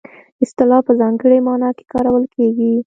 اصطلاح په ځانګړې مانا کې کارول کیږي